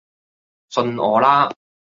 信我啦